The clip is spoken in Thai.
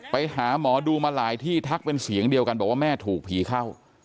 ไปหาหมอดูมาหลายที่ทักเป็นเสียงเดียวกันบอกว่าแม่ถูกผีเข้า